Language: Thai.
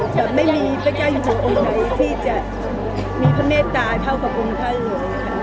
แบบไม่มีพระเจ้าอยู่ออกไหนที่จะมีพระเมตตาเท่ากับองค์ท่านเลยครับ